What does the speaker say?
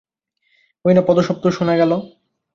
ওই না পদশব্দ শুনা গেল?